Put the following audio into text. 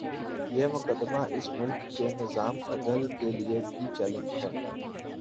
یہ مقدمہ اس ملک کے نظام عدل کے لیے بھی چیلنج ہے۔